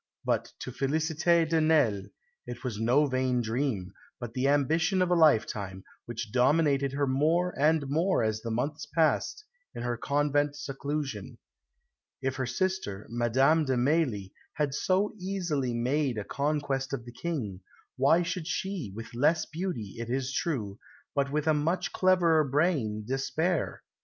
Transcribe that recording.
But to Félicité de Nesle it was no vain dream, but the ambition of a lifetime, which dominated her more and more as the months passed in her convent seclusion. If her sister, Madame de Mailly, had so easily made a conquest of the King, why should she, with less beauty, it is true, but with a much cleverer brain, despair?